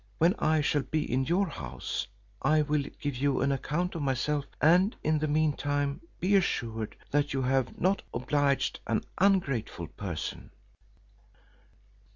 When I shall be in your house, I will give you an account of myself; and in the mean time be assured that you have not obliged an ungrateful person."